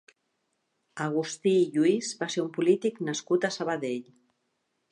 Agustí Lluís va ser un polític nascut a Sabadell.